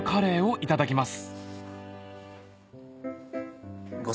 いただきます。